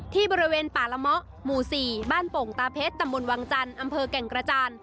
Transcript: ที่บริเวณป่าละเมาะหมู่๔บ้านโป่งตาเพชรตำบลวังจันทร์อำเภอแก่งกระจาน